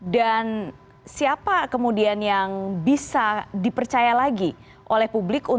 siapa kemudian yang bisa dipercaya lagi oleh publik